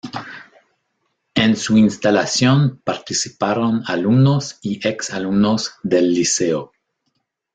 En su instalación participaron alumnos y ex alumnos del liceo.